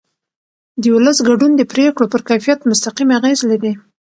د ولس ګډون د پرېکړو پر کیفیت مستقیم اغېز لري